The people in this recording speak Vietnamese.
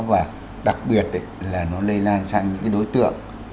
và đặc biệt là nó lây lan sang những đối tượng